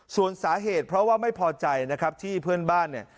ส่วนสาเหตุเพราะว่าไม่พอใจนะครับที่เพื่อนบ้านเนี่ย